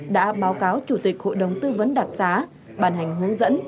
đã báo cáo chủ tịch hội đồng tư vấn đặc xá bàn hành hướng dẫn